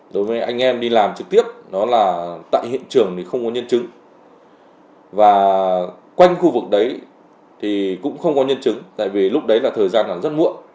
đối với anh em đi làm trực tiếp đó là tại hiện trường thì không có nhân chứng và quanh khu vực đấy thì cũng không có nhân chứng tại vì lúc đấy là thời gian rất muộn